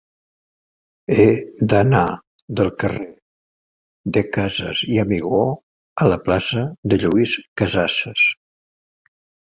He d'anar del carrer de Casas i Amigó a la plaça de Lluís Casassas.